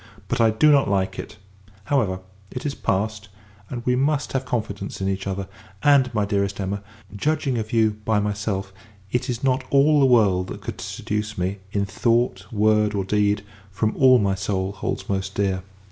But, I do not like it! However, it is passed; and, we must have confidence in each other: and, my dearest Emma, judging of you by myself, it is not all the world that could seduce me, in thought, word, or deed, from all my soul holds most dear.